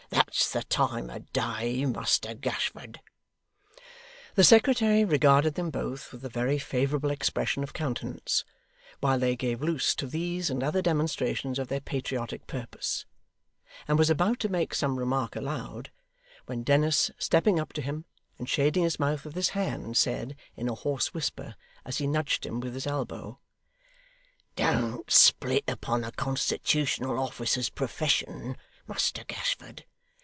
That's the time of day, Muster Gashford!' The secretary regarded them both with a very favourable expression of countenance, while they gave loose to these and other demonstrations of their patriotic purpose; and was about to make some remark aloud, when Dennis, stepping up to him, and shading his mouth with his hand, said, in a hoarse whisper, as he nudged him with his elbow: 'Don't split upon a constitutional officer's profession, Muster Gashford.